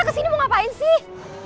kesini mau ngapain sih